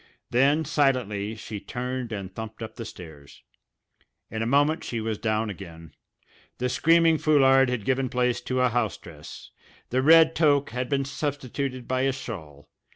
Then silently she turned and thumped up the stairs. In a moment she was down again; the screaming foulard had given place to a house dress; the red toque had been substituted by a shawl.